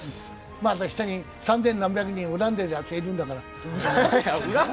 まだ下に三千何百人、うらんでる奴がいるんだから。